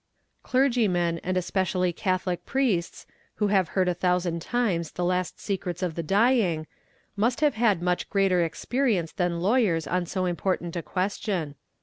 Clergymen and especially catholic priests, who have heard a thousand times the last secrets of the dying, must have had much greater experience than lawyers on so important a question.